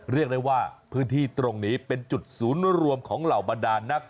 เรียกได้ว่าพื้นที่ตรงนี้เป็นจุดศูนย์รวมของเหล่าบรรดานนัก